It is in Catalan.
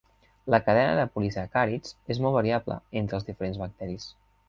La cadena de polisacàrids és molt variable entre els diferents bacteris.